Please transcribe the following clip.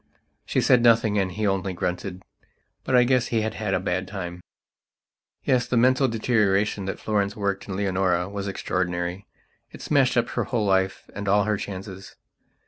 She said nothing and he only grunted. But I guess he had a bad time. Yes, the mental deterioration that Florence worked in Leonora was extraordinary; it smashed up her whole life and all her chances.